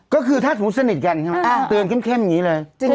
ก็คือถ้าสนุกสนิทกันเตือนเข้มอย่างนี้เลย